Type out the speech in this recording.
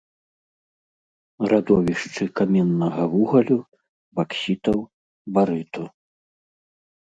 Радовішчы каменнага вугалю, баксітаў, барыту.